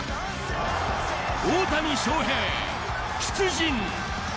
大谷翔平、出陣。